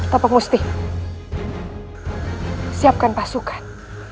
topeng musti siapkan pasukan